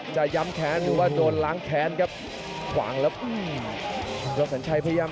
กระโดยสิ้งเล็กนี่ออกกันขาสันเหมือนกันครับ